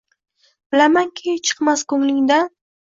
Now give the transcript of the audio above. Bilamanki, chiqmas ko’nglingdan